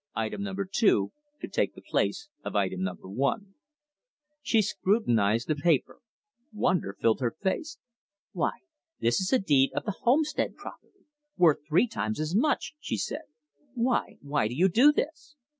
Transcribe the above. "Item No. 2 to take the place of item No. 1." She scrutinised the paper. Wonder filled her face. "Why, this is a deed of the homestead property worth three times as much!" she said. "Why why do you do this?"